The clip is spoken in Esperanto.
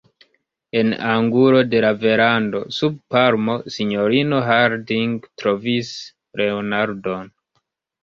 En angulo de la verando, sub palmo, sinjorino Harding trovis Leonardon.